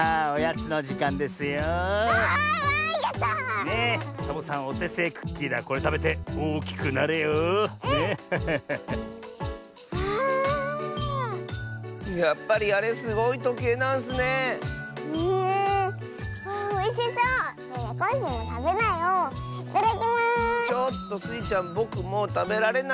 ちょっとスイちゃんぼくもうたべられないッスよ！